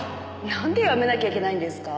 なんでやめなきゃいけないんですか？